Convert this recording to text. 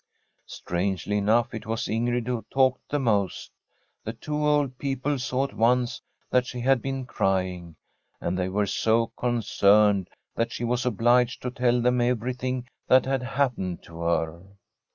Strangely enough, it was Ingrid who talked the most. The two old people saw at once that she had been crying, and they were so concerned that she was obliged to tell them everything that had happened to her.